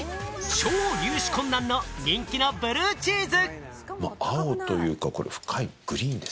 超入手困難の人気のブルーチーズ。